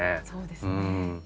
そうですね。